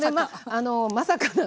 まさか。